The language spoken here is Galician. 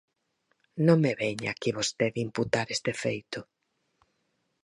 Non me veña aquí vostede imputar este feito.